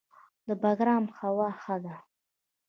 د بګرام هوا ښه ده